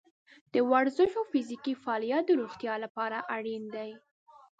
د ورزش او فزیکي فعالیت د روغتیا لپاره اړین دی.